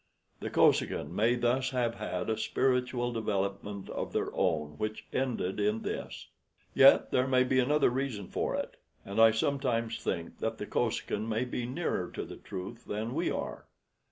The Kosekin may thus have had a spiritual development of their own, which ended in this. "Yet there may be another reason for it, and I sometimes think that the Kosekin may be nearer to the truth than we are.